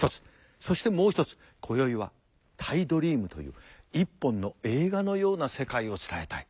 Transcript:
そしてもう一つ今宵はタイドリームという一本の映画のような世界を伝えたい。